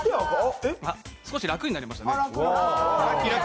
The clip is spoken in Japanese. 少し楽になりましたね。